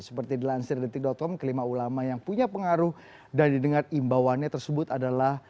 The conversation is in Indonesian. seperti dilansir detik com kelima ulama yang punya pengaruh dan didengar imbauannya tersebut adalah